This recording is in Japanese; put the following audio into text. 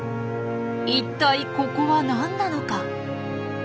一体ここは何なのか？